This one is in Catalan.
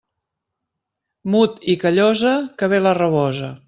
Mut i callosa, que ve la rabosa.